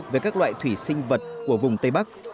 về các loại thủy sinh vật của vùng tây bắc